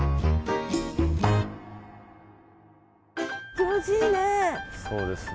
気持ちいいね。